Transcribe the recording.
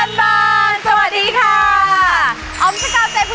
อายุทธิสนาธิกรมพาค่ะ